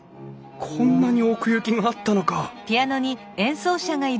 こんなに奥行きがあったのか！